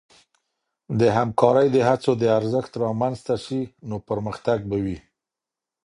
د همکارۍ د هڅو د ارزښت رامنځته سي، نو پرمختګ به وي.